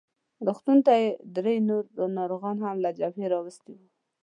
روغتون ته یې درې نور ناروغان هم له جبهې راوستلي وو.